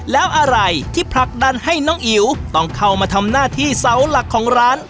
แล้วอะไรที่ผลักดันให้น้องอิ๋วต้องเข้ามาทำหน้าที่เสาหลักของร้าน